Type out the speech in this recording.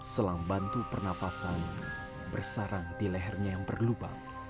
selang bantu pernafasan bersarang di lehernya yang berlubang